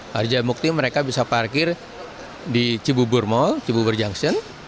harjamukti mereka bisa parkir di cibubur mall cibubur junction